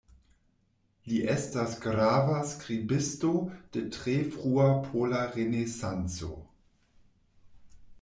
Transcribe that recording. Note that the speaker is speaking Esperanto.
Li estas grava skribisto de tre frua pola renesanco.